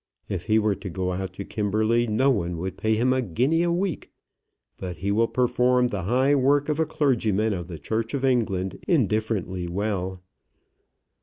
If he were to go out to Kimberley, no one would pay him a guinea a week. But he will perform the high work of a clergyman of the Church of England indifferently well."